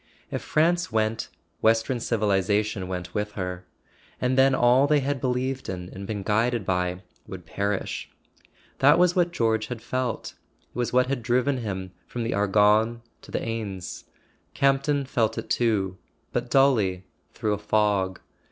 If France went, western civilization went with her; and then all they had believed in and been guided by would perish. That was what George had felt; it was what had driven him from the Argonne to the Aisne. Campton felt it too; but dully, through a fog.